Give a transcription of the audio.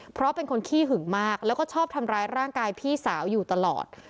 เพราะเป็นคนขี้หึงมากแล้วก็ชอบทำร้ายร่างกายพี่สาวอยู่ตลอด